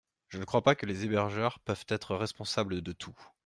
Je ne crois pas que les hébergeurs peuvent être responsables de tout.